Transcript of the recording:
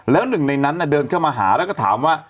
แล้วหนึ่งในนั้นเดินเข้ามาหาแล้วก็ถามว่า